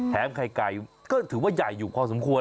ไข่ไก่ก็ถือว่าใหญ่อยู่พอสมควร